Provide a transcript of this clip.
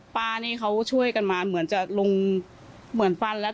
ป้านี่เขาช่วยกันมาเหมือนจะลงเหมือนฟันแล้ว